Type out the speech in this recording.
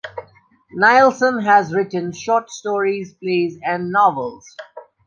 Nielsen has written short stories, plays and novels.